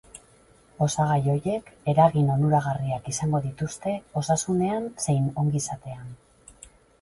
Osagai horiek eragin onuragarriak izango dituzte osasunean zein ongizatean.